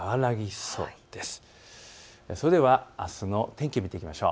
それではあすの天気を見ていきましょう。